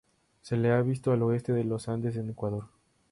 Se le ha visto al oeste de los Andes en Ecuador.